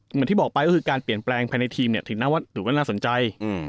อย่างที่บอกไปก็คือการเปลี่ยนแปลงภายในทีมเนี่ยถือว่าน่าสนใจ